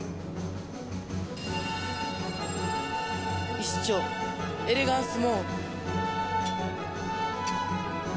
医師長エレガンス・モーン。